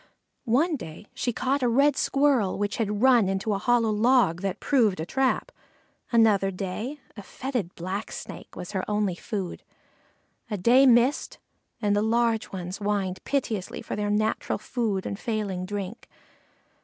One day she caught a Red squirrel which had run into a hollow log that proved a trap. Another day a fetid Blacksnake was her only food. A day was missed, and the little ones whined piteously for their natural food and failing drink.